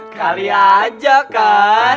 kalian aja kan